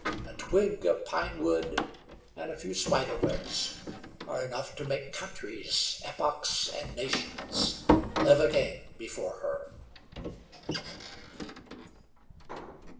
A twig of pine wood and a few spider webs are enough to make countries, epochs, and nations live again before her.